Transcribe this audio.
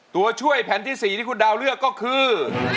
ตัวช่วยแผ่นที่๔ที่คุณดาวเลือกก็คือ